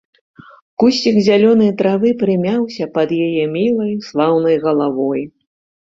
Кусцік зялёнай травы прымяўся пад яе мілай, слаўнай галавой.